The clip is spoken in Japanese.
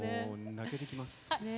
泣けてきます。